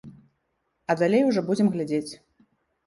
А далей ужо будзем глядзець.